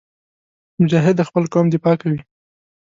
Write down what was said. مجاهد د خپل قوم دفاع کوي.